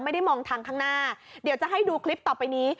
ไม่ได้มองทางข้างหน้าเดี๋ยวจะให้ดูคลิปต่อไปนี้